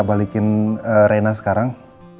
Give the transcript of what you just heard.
balikin rena sekarang